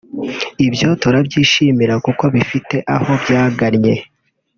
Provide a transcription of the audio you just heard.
Ibyo turabyishimira kuko bifite aho byagannye